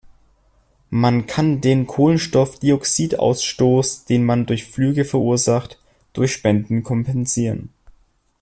Man kann den Kohlenstoffdioxidausstoß, den man durch Flüge verursacht, durch Spenden kompensieren.